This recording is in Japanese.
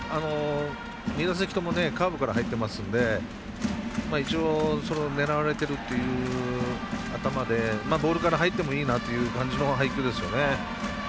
２打席ともカーブから入っていますので一応、狙われているっていう頭でボールから入ってもいいなという配球ですよね。